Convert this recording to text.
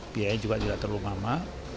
biayanya juga tidak terlalu lama